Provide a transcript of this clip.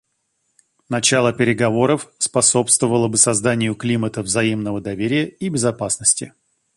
Начало переговоров способствовало бы созданию климата взаимного доверия и безопасности.